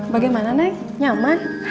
bagaimana nek nyaman